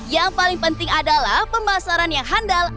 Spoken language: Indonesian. yang paling penting adalah pemasaran yang handal